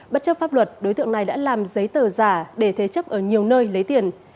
bất chấp pháp luật đối tượng này đã làm giấy tờ giả để thế chấp ở nhiều nơi lấy tiền